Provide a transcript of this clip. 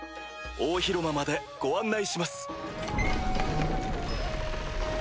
大広間までご案内します。